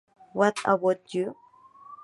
What About You?